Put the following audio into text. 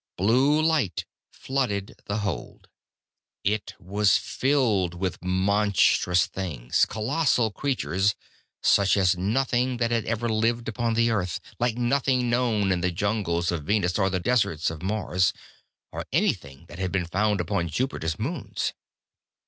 Blue light flooded the hold. It was filled with monstrous things, colossal creatures, such as nothing that ever lived upon the Earth; like nothing known in the jungles of Venus or the deserts of Mars, or anything that has been found upon Jupiter's moons.